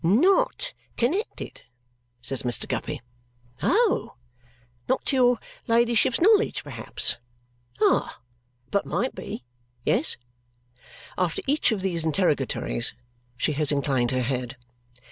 "NOT connected?" says Mr. Guppy. "Oh! Not to your ladyship's knowledge, perhaps? Ah! But might be? Yes." After each of these interrogatories, she has inclined her head.